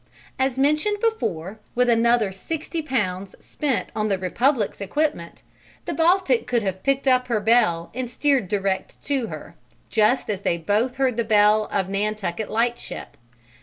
As mentioned before, with another 60 Pounds spent on the Republic's equipment, the Baltic could have picked up her bell and steered direct to her just as they both heard the bell of Nantucket Lightship.